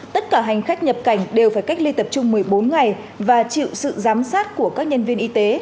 tất cả hành khách nhập cảnh đều phải cách ly tập trung một mươi bốn ngày và chịu sự giám sát của các nhân viên y tế